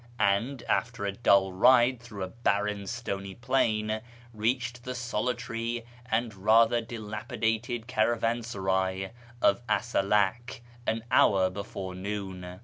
and, after a dull ride through a barren, stony plain, reached the solitary and rather dilapidated caravansaray of Asalak an hour before noon.